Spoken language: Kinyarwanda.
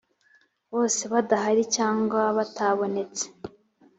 bose badahari cyangwa batabonetse